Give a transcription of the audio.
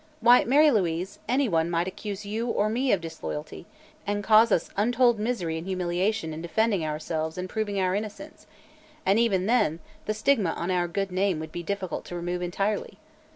Why, Mary Louise, anyone might accuse you, or me, of disloyalty and cause us untold misery and humiliation in defending ourselves and proving our innocence and even then the stigma on our good name would be difficult to remove entirely.